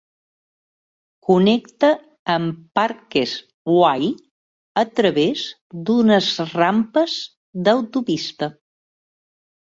Connecta amb Parkes Way a través d'unes rampes d'autopista.